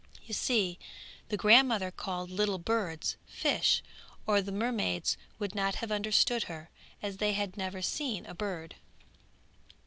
You see the grandmother called little birds fish, or the mermaids would not have understood her, as they had never seen a bird.